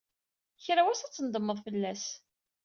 Kra n wass, ad tnedmed fell-as.